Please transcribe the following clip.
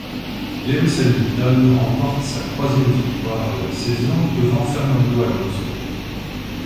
Lewis Hamilton remporte sa troisième victoire de la saison devant Fernando Alonso.